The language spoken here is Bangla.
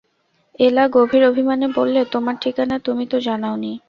এলা গভীর অভিমানে বললে, তোমার ঠিকানা তুমি তো জানাও নি।